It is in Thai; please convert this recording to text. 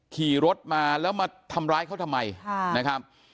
ขี่รถมาแล้วมาทำร้ายเขาทำไมนะครับ